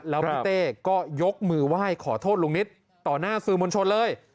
แล้วพี่เต้ก็ยกมือไหว้ขอโทษลุงนิตต่อหน้าสื่อมวลชนเลย